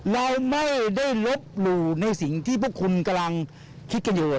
เราไม่ได้ลบหลู่ในสิ่งที่พวกคุณกำลังคิดกันอยู่